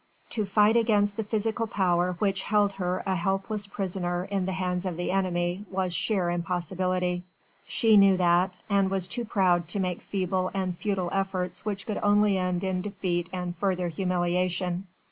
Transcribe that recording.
To fight against the physical power which held her a helpless prisoner in the hands of the enemy was sheer impossibility. She knew that, and was too proud to make feeble and futile efforts which could only end in defeat and further humiliation.